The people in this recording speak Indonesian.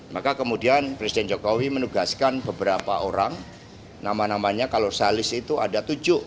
maka kemudian presiden jokowi menugaskan beberapa orang nama namanya kalau salis itu ada tujuh